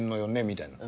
みたいな。